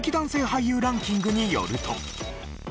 俳優ランキングによると。